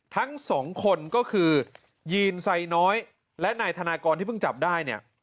ทั้งสองคนก็คือยีนไซน้อยและนายธนากรที่เพิ่งจับได้เนี่ย